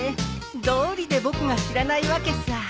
どうりで僕が知らないわけさ。